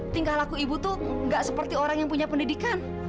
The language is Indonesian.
tingkah laku ibu tuh gak seperti orang yang punya pendidikan